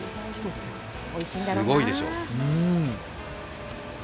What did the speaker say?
すごいでしょう。